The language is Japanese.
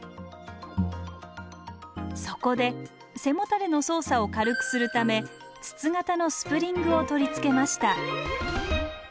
そこで背もたれの操作を軽くするため筒形のスプリングを取り付けました